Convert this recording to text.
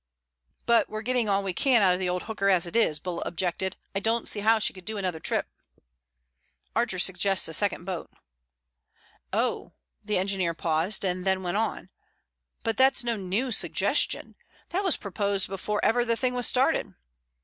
"But we're getting all we can out of the old hooker as it is," Bulla objected. "I don't see how she could do another trip." "Archer suggests a second boat." "Oh." The engineer paused, then went on: "But that's no new suggestion. That was proposed before ever the thing was started."